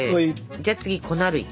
じゃあ次粉類。